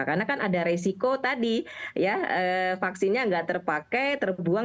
karena kan ada resiko tadi ya vaksinnya nggak terpakai terbuang